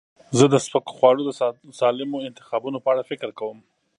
زه د سپک خواړو د سالمو انتخابونو په اړه فکر کوم.